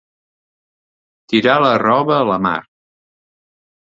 Tirar la roba a la mar.